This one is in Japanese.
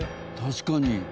確かに。